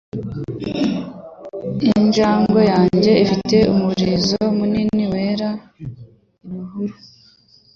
Injangwe yanjye ifite umurizo munini, wera, ibihuru.